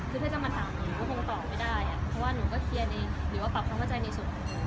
คือถ้าจะมาถามหนูก็คงตอบไม่ได้อะเพราะว่าหนูก็เคียนเองหรือว่าปรับความเข้าใจในสุด